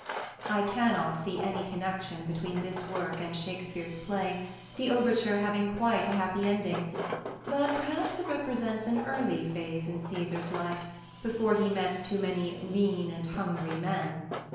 I cannot see any connection between this work and Shakespeare's play, the overture having quite a happy ending; but perhaps it represents an early phase in Cæsar's life before he met too many "lean and hungry" men.